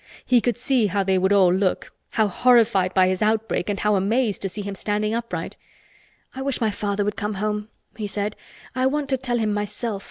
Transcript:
He could see how they would all look—how horrified by his outbreak and how amazed to see him standing upright. "I wish my father would come home," he said. "I want to tell him myself.